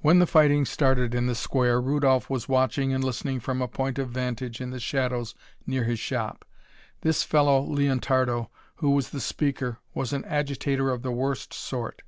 When the fighting started in the Square, Rudolph was watching and listening from a point of vantage in the shadows near his shop. This fellow Leontardo, who was the speaker, was an agitator of the worst sort.